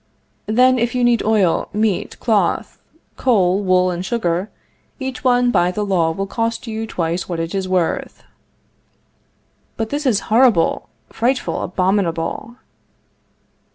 Then, if you need oil, meat, cloth, coal, wool and sugar, each one by the law will cost you twice what it is worth. But this is horrible, frightful, abominable.